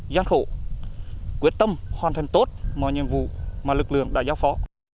gian khổ quyết tâm hoàn thành tốt mọi nhiệm vụ mà lực lượng đã giao phó